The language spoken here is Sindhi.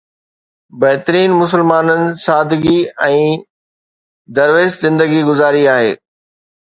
بهترين مسلمانن سادگي ۽ درويش زندگي گذاري آهي